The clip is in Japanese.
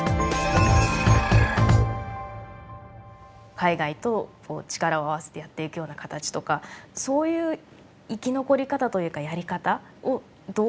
海外と力を合わせてやっていくような形とかそういう生き残り方というかやり方をどうご覧になりましたか？